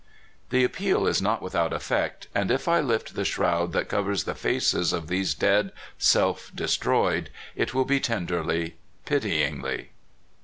The appeal is not without effect, and if I lift the shroud that covers the faces of these dead, self destroyed, it will be tenderly, pityingly.